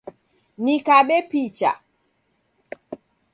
Nikabe picha